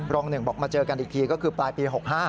รองหนึ่งบอกมาเจอกันอีกทีก็คือปลายปี๖๕